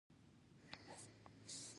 د کمپنۍ واک پای ته ورسید.